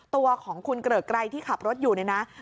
ตัวของคุณเกริกไกรที่ขับรถอยู่เนี่ยนะ